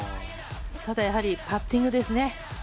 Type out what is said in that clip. ただやはりパッティングですね。